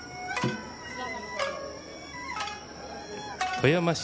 富山市